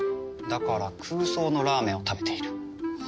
だから空想のラーメンを食べている。